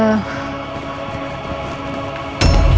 ya allah ya allah